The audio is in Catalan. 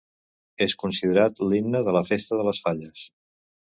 És considerat l'himne de la festa de les Falles.